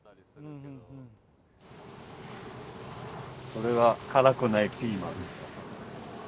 これは辛くないピーマン。